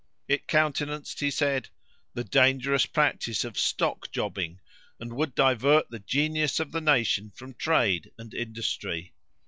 It countenanced, he said, "the dangerous practice of stock jobbing, and would divert the genius of the nation from trade and industry.